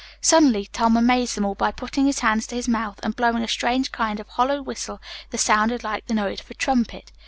Suddenly Tom amazed them all by putting his hands to his mouth and blowing a strange kind of hollow whistle that sounded like the note of a trumpet.